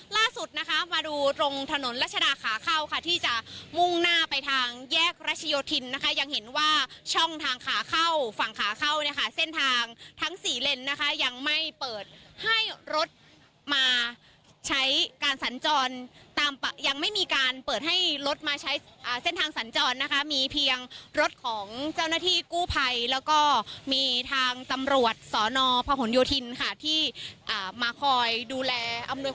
ล่าสุดนะคะมาดูตรงถนนรัชดาขาเข้าค่ะที่จะมุ่งหน้าไปทางแยกรัชโยธินนะคะยังเห็นว่าช่องทางขาเข้าฝั่งขาเข้าเนี่ยค่ะเส้นทางทั้งสี่เลนนะคะยังไม่เปิดให้รถมาใช้การสัญจรตามยังไม่มีการเปิดให้รถมาใช้เส้นทางสัญจรนะคะมีเพียงรถของเจ้าหน้าที่กู้ภัยแล้วก็มีทางตำรวจสอนอพหนโยธินค่ะที่มาคอยดูแลอำนวย